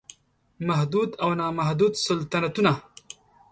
محدود او نا محدود سلطنتونه